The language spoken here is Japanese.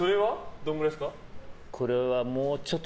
どれくらいですか？